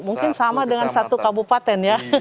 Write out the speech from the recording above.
mungkin sama dengan satu kabupaten ya